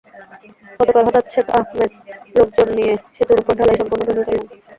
গতকাল হঠাৎ শেখ আহমেদ লোকজন নিয়ে সেতুর ওপরের ঢালাই সম্পূর্ণ ভেঙে ফেলেন।